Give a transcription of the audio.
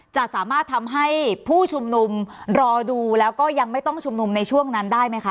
จะสามารถทำให้ผู้ชุมนุมรอดูแล้วก็ยังไม่ต้องชุมนุมในช่วงนั้นได้ไหมคะ